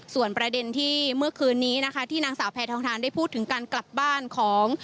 ส่วนประเด็นที่เมื่อคืนนี้นะคะที่นางสาวแพทองทานได้พูดถึงการกลับบ้านของ